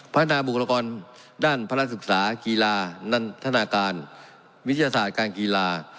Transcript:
พัฒนาบุคลากรด้านพระราชศึกษากีฬานันทนาการวิทยาศาสตร์การกีฬา